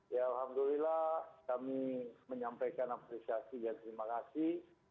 ya alhamdulillah kami menyampaikan apresiasi dan terima kasih